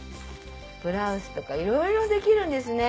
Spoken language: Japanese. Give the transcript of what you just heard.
ブラウスとかいろいろできるんですね。